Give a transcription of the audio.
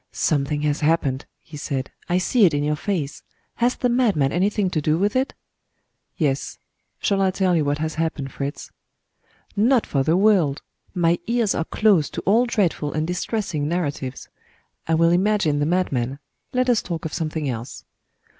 "Something has happened," he said "I see it in your face! Has the madman anything to do with it?" "Yes. Shall I tell you what has happened, Fritz?" "Not for the world. My ears are closed to all dreadful and distressing narratives. I will imagine the madman let us talk of something else."